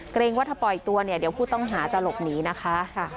เกรงว่าถ้าปล่อยตัวเนี่ยเดี๋ยวผู้ต้องหาจะหลบหนีนะคะ